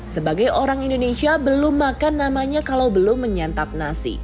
sebagai orang indonesia belum makan namanya kalau belum menyantap nasi